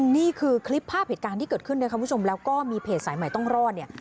นี่คือคลิปภาพเหตุการณ์ที่เกิดขึ้นนะครับคุณผู้ชมแล้วก็มีเพจสายใหม่ต้องรอดเนี่ย